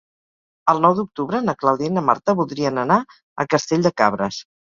El nou d'octubre na Clàudia i na Marta voldrien anar a Castell de Cabres.